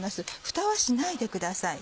ふたはしないでください。